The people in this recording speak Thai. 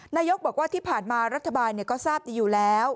นายกบอกว่าที่ผ่านมารัฐบาลก็ทราบดีอยู่แล้ว